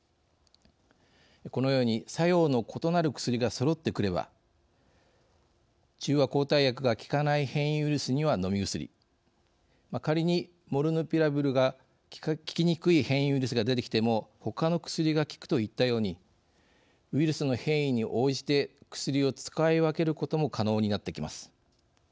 このように作用の異なる薬がそろってくれば中和抗体薬が効かない変異ウイルスには飲み薬仮にモルヌピラビルが効きにくい変異ウイルスが出てきてもほかの薬が効く、といったようにウイルスの変異に応じて薬を使い分けることも可能になってきます。